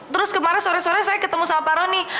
terus kemarin sore sore saya ketemu sama paroni